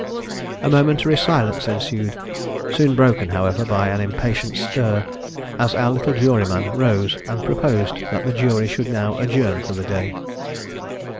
A momentary silence ensued, soon broken, however, by an impatient stir as our little juryman rose and proposed that the jury should now adjourn for the day.